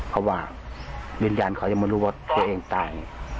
เพราะว่าวิญญาณเขายังไม่รู้ว่าตัวเองตาย